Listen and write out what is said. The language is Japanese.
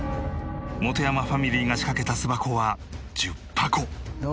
本山ファミリーが仕掛けた巣箱は１０箱。